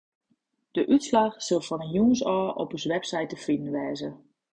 De útslach sil fan 'e jûns ôf op ús website te finen wêze.